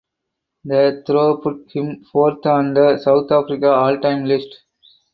The throw put him fourth on the South Africa all time list.